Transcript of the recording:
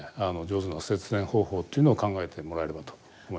上手な節電方法というのを考えてもらえればと思いますね。